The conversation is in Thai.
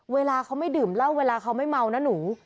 เวลาเขาไม่ดื่มเหล้าเวลาเขาไม่เมานะหนู